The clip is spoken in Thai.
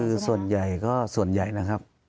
คือส่วนใหญ่ก็ส่วนใหญ่นะครับ